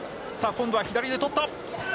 今度は左で取った。